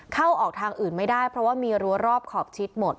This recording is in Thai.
เข้าออกทางอื่นไม่ได้เพราะว่ามีรั้วรอบขอบชิดหมด